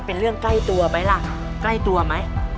เป็นเรื่องใกล้ตัวไหมล่ะใกล้ตัวไหม